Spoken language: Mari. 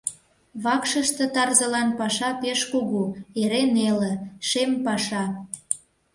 Вакшыште тарзылан паша пеш кугу, эре неле, шем паша.